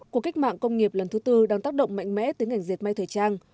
cuộc kích mạng công nghiệp lần thứ tư đang tác động mạnh mẽ tới ngành diệt mây thời trang